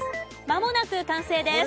まもなく完成です。